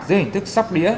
dưới hình thức sóc đĩa